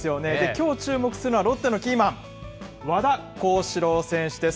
きょう、注目するのは、ロッテのキーマン、和田康士朗選手です。